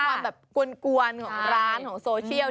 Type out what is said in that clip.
ความแบบกวนของร้านของโซเชียล